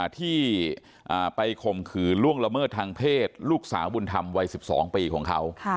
ที่ไปข่มขืนล่วงละเมิดทางเพศลูกสาวบุญธรรมวัย๑๒ปีของเขา